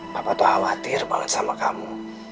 bapak tuh khawatir banget sama kamu